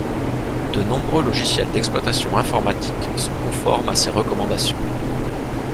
De nombreux logiciels d'exploitation informatique sont conformes à ces recommandations.